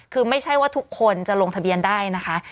คือไม่ใช่ว่าทุกคนจะลงทะเบียนได้นะคะ